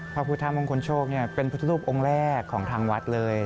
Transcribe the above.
พระพุทธมงคลโชคเป็นพุทธรูปองค์แรกของทางวัดเลย